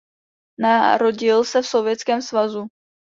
Narodil se v Sovětském svazu.